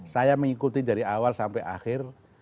saya mengikuti dari awal sampai akhir